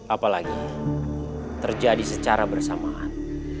apalagi terjadi secara bersamaan